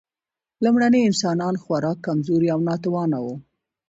لومړني انسانان خورا کمزوري او ناتوانه وو.